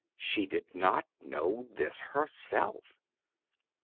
she did not know this herself.